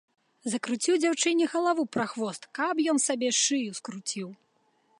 Закруціў дзяўчыне галаву прахвост, каб ён сабе шыю скруціў.